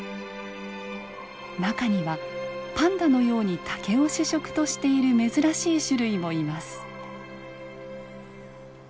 中にはパンダのように竹を主食としている珍しい種類もいます。